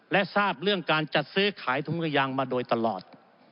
และทราบเรื่องการจัดซื้อขายถุงกระยางมาโดยตลอด